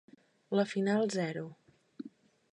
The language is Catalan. La final zero.